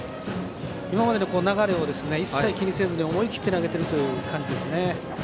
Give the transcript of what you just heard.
今までの流れを一切気にせずに思い切って投げているという感じですね。